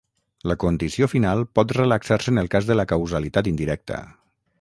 La condició final pot relaxar-se en el cas de la causalitat indirecta.